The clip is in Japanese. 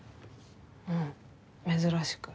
うん珍しく。